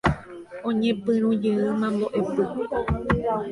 Oñepyrũjeýma mbo'epy.